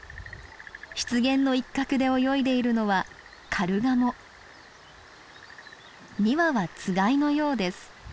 湿原の一角で泳いでいるのは２羽はつがいのようです。